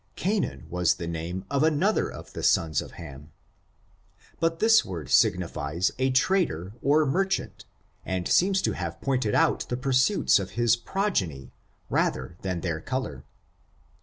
Canaan was the name of another of the sons of Ham. But this word signified a trader or merchant, and seems to have pointed out the pursuits of his progeny, rather than their color.